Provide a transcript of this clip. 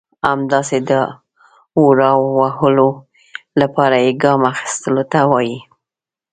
همداسې د هوارولو لپاره يې ګام اخيستلو ته وایي.